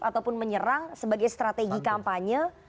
ataupun menyerang sebagai strategi kampanye